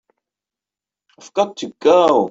I've got to go.